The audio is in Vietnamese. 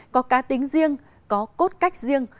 có cá tính riêng có cốt cách riêng